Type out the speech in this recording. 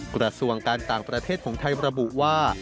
กระทรวงการต่างประเทศของไทยระบุว่า